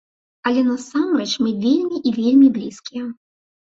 Але насамрэч мы вельмі і вельмі блізкія.